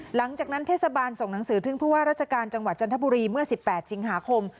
หลังจากนั้นเทศบาลส่งหนังสือถึงผู้ว่าราชการจังหวัดจันทบุรีเมื่อ๑๘สิงหาคม